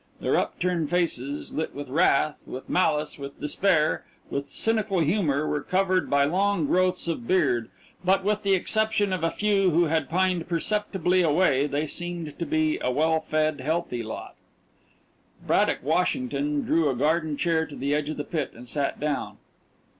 Their upturned faces, lit with wrath, with malice, with despair, with cynical humour, were covered by long growths of beard, but with the exception of a few who had pined perceptibly away, they seemed to be a well fed, healthy lot. Braddock Washington drew a garden chair to the edge of the pit and sat down.